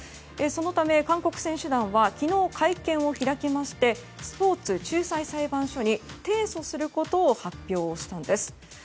そのため、韓国選手団は昨日会見を開きましてスポーツ仲裁裁判所に提訴することを発表したんです。